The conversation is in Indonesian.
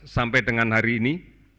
sampai dengan hari ini